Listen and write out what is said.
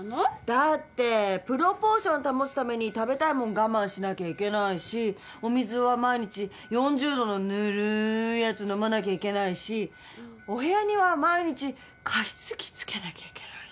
だってプロポーション保つために食べたいもの我慢しなきゃいけないしお水は毎日４０度のぬるいやつ飲まなきゃいけないしお部屋には毎日加湿器つけなきゃいけないし。